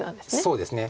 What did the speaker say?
そうですね。